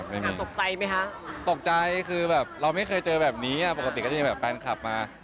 เป็นเปิดผมตกใจคือแบบไม่เคยเจอแบบนี้ปกติก็จะยังมีแวนก์คับมา